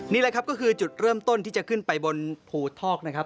นี่แหละครับก็คือจุดเริ่มต้นที่จะขึ้นไปบนภูทอกนะครับ